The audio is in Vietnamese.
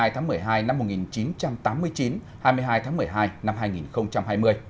hai mươi tháng một mươi hai năm một nghìn chín trăm tám mươi chín hai mươi hai tháng một mươi hai năm hai nghìn hai mươi